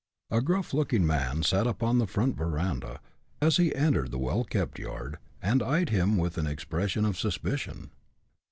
A gruff looking man sat upon the front veranda, as he entered the well kept yard, and eyed him with an expression of suspicion.